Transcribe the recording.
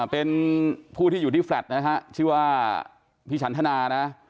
เป็นผู้ที่อยู่ที่แฟลตนะฮะชื่อว่าพี่ฉันทนานะ